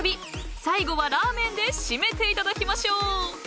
最後はラーメンで締めていただきましょう］